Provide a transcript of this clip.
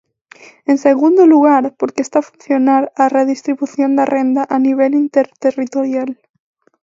En segundo lugar, porque está a funcionar a redistribución da renda a nivel interterritorial.